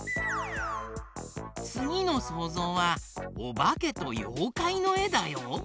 つぎのそうぞうは「おばけとようかい」のえだよ。